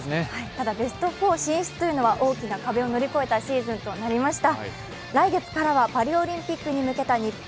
ただ、ベスト４進出というのは大きな壁を乗り越えたシーズンとなりました。